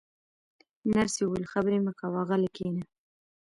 نرسې وویل: خبرې مه کوه، غلی کښېنه.